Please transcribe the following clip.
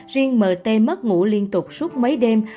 riêng mt mất ngủ liên tục suốt mấy đêm